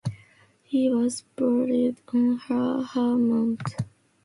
He was buried on Har Hamenuchot.